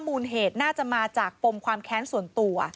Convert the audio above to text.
มูลเหตุน่าจะมาจากปมความแค้นส่วนตัว